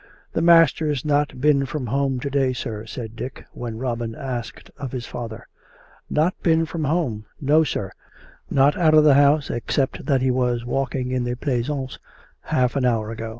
" The master's not been from home to day, sir," said Dick when Robin asked of his father. " Not been from home? "" No, sir — not out of the house, except that he was walking in the pleasaimce half an hour ago."